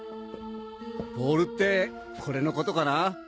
ボールってこれのことかな？